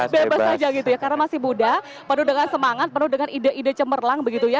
bebas saja gitu ya karena masih muda penuh dengan semangat penuh dengan ide ide cemerlang begitu ya